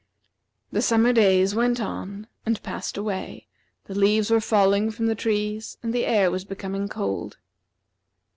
The summer days went on and passed away, the leaves were falling from the trees, and the air was becoming cold.